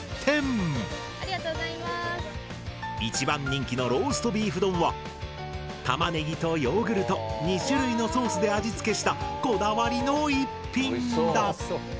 １番人気のローストビーフ丼はたまねぎとヨーグルト２種類のソースで味付けしたこだわりの一品だ。